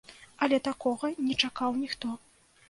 Але такога не чакаў ніхто.